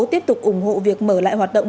tiếp tục ủng hộ việc mở lại hoạt động